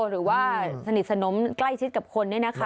หรือว่าสนิทสนมใกล้ชิดกับคนเนี่ยนะคะ